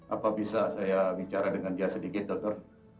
apa bisa saya bicara dengan dia sedikit dokter